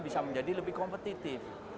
bisa menjadi lebih kompetitif